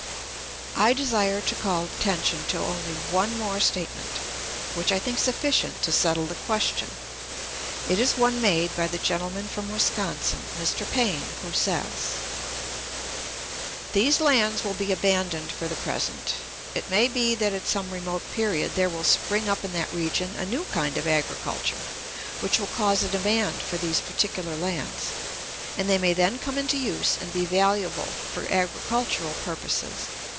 I desire to call attention to only one more statement, which I think sufficient to settle the question. It is one made by the gentleman from Wisconsin (Mr. Paine), who says: "These lands will be abandoned for the present. It may be that at some remote period there will spring up in that region a new kind of agriculture, which will cause a demand for these particular lands; and they may then come into use and be valuable for agricultural purposes.